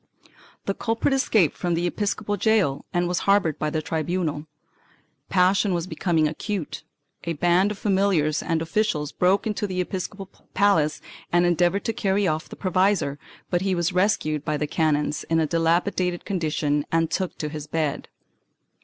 The culprit escaped from the episcopal gaol and was harbored by the tribunal. Passion was becoming acute; a band of familiars and officials broke into the episcopal palace and endeavored to carry off the provisor, but he was rescued by the canons in a dilapidated condition and took to his bed.